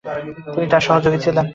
তিনি তার সহযোগী ছিলেন।